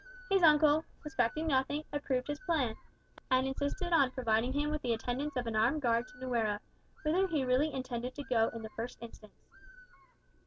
His uncle, suspecting nothing, approved his plan, and insisted on providing him with the attendance of an armed guard to Nuera, whither he really intended to go in the first instance.